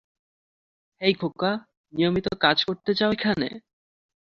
হেই খোকা, নিয়মিত কাজ করতে চাও এখানে?